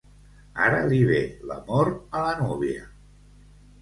Ara li ve l'amor, a la núvia!